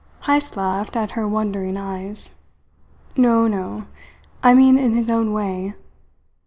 Heyst laughed at her wondering eyes. "No! No! I mean in his own way."